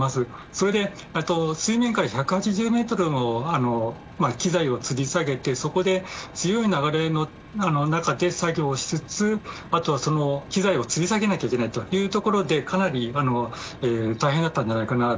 それで、水面から１８０ｍに機材をつり下げて強い流れの中で作業をしつつあとは、その機材をつり下げなきゃいけないということでかなり大変だったんじゃないかなと。